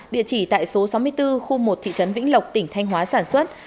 địa chỉ tại số sáu mươi bốn khu một thị trấn vĩnh lộc tỉnh thanh hóa sản xuất